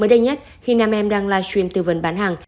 mới đây nhất khi nam em đang livestream tư vấn bán hàng